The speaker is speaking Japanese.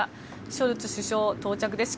ショルツ首相、到着です。